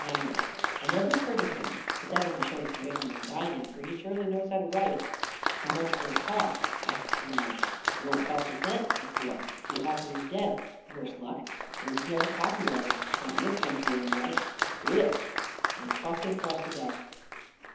Henley. I never heard of him — but that only shows how ignorant I am, for he surely knows how to write I "" How much will it cost ?" asked the old man. " It won't cost a cent," said Creel. " The author is dead — worse luckl — and it was never copy righted — not in this country, anyway. Read it," and he tossed it across the desk.